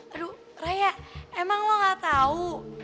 aduh raya emang lo gak tahu